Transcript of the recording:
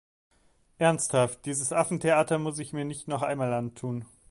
Ernsthaft, dieses Affentheater muss ich mir nicht noch einmal antun.